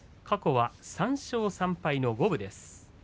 過去は３勝３敗の五分です。